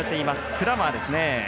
クラーマーですね。